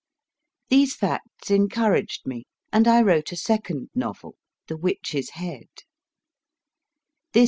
These facts encouraged me, and I wrote a second novel The Witch s Head.